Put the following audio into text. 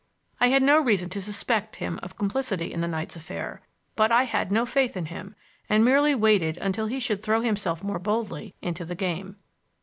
I had no reason to suspect him of complicity in the night's affair, but I had no faith in him, and merely waited until he should throw himself more boldly into the game.